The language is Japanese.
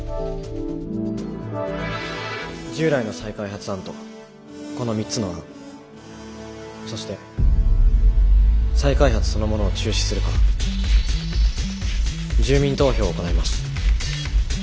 従来の再開発案とこの３つの案そして再開発そのものを中止するか住民投票を行います。